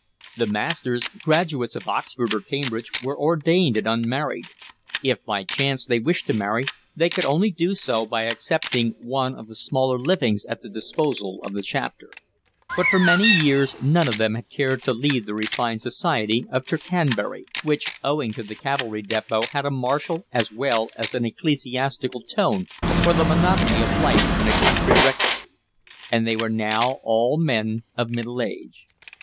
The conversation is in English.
The masters, graduates of Oxford or Cambridge, were ordained and unmarried; if by chance they wished to marry they could only do so by accepting one of the smaller livings at the disposal of the Chapter; but for many years none of them had cared to leave the refined society of Tercanbury, which owing to the cavalry depot had a martial as well as an ecclesiastical tone, for the monotony of life in a country rectory; and they were now all men of middle age.